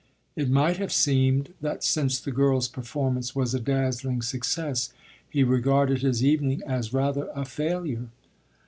It might have seemed that since the girl's performance was a dazzling success he regarded his evening as rather a failure.